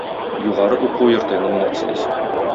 "Югары уку йорты" номинациясе.